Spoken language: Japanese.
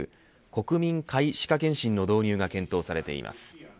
国民皆歯科健診の導入が検討されています。